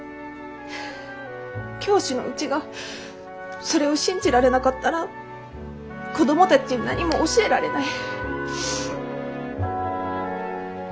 教師のうちがそれを信じられなかったら子供たちに何も教えられない。